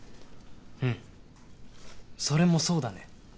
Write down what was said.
うんそれもそうだね。